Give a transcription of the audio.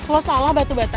lo salah batu bata